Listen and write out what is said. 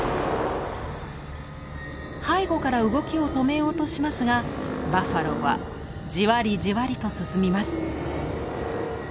背後から動きを止めようとしますがバッファローはじわりじわりと進みます。